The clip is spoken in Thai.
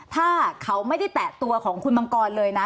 ถ้าเขาไม่ได้แตะตัวของคุณมังกรเลยนะ